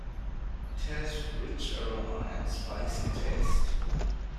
It has rich aroma and spicy taste.